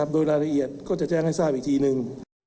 โดยรายละเอียดก็จะแจ้งให้ทราบอีกทีนึง